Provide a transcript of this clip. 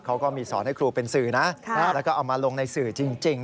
เขาก็มีสอนให้ครูเป็นสื่อนะแล้วก็เอามาลงในสื่อจริง